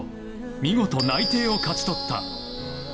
見事、内定を勝ち取った。